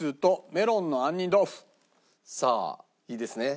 さあいいですね？